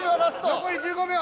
残り１５秒。